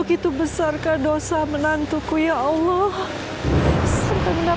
sebentar warga sebentar jam'ah sebentar